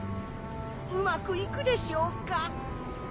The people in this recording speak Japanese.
うまくいくでしょうか？